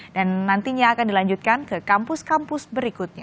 dan nantinya akan dilanjutkan ke kampus kampus berikutnya